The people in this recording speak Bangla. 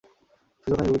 সূর্য খান খুবই দয়ালু।